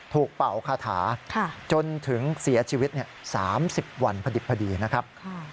เป่าคาถาจนถึงเสียชีวิต๓๐วันพอดิบพอดีนะครับ